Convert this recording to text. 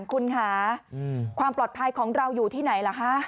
คุณค่ะความปลอดภัยของเราอยู่ที่ไหนล่ะคะ